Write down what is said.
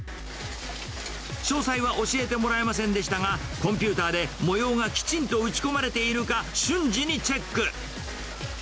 詳細は教えてもらえませんでしたが、コンピューターで模様がきちんと打ち込まれているか、瞬時にチェック。